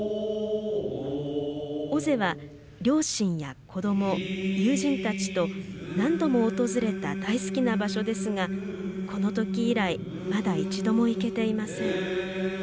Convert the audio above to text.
尾瀬は両親や子ども、友人たちと何度も訪れた大好きな場所ですがこの時以来まだ一度も行けていません。